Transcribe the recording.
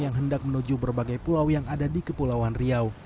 yang hendak menuju berbagai pulau yang ada di kepulauan riau